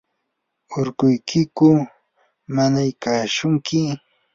¿urkuykiku nanaykashunki?